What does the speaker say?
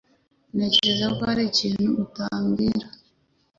Ntekereza ko hari ikintu utambwira